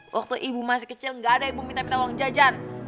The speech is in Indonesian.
waktu ibu masih kecil nggak ada ibu minta minta uang jajan